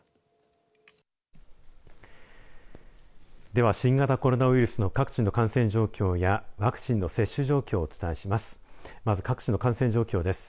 では新型コロナウイルスの各地の感染状況やワクチンの接種状況をお伝えします。